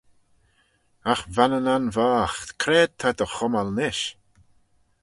Agh Vannanan voght c'raad ta dty chummal nish?